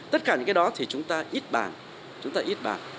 tất cả những cái đó thì chúng ta ít bàn chúng ta ít bàn